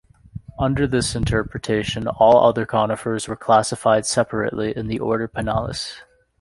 Under this interpretation, all other conifers were classified separately in the order Pinales.